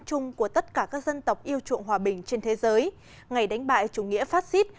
chung của tất cả các dân tộc yêu chuộng hòa bình trên thế giới ngày đánh bại chủ nghĩa phát xít